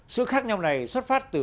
sự khác nhau này xuất phát từ